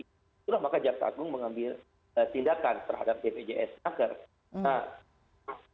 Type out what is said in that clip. itulah maka kejaksaan agung mengambil tindakan terhadap bpjs narkotik pusat